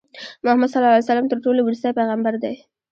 محمدﷺ تر ټولو ورستی پیغمبر دی.